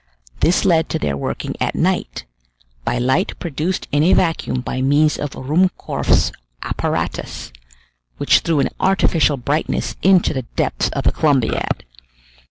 This led to their working at night, by light produced in a vacuum by means of Ruhmkorff's apparatus, which threw an artificial brightness into the depths of the Columbiad.